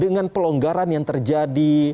dengan pelonggaran yang terjadi